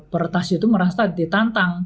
peretas itu merasa ditantang